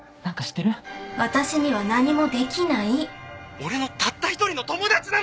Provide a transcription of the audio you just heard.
俺のたった一人の友達なの！